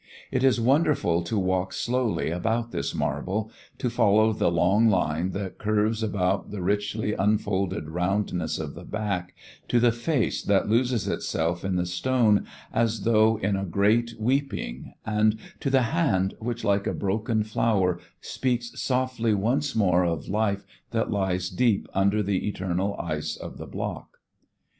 It is wonderful to walk slowly about this marble, to follow the long line that curves about the richly unfolded roundness of the back to the face that loses itself in the stone as though in a great weeping, and to the hand which like a broken flower speaks softly once more of life that lies deep under the eternal ice of the block.